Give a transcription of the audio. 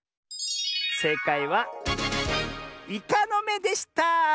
えいかいはイカのめでした！